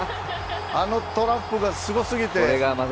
あのトラップがすごすぎて。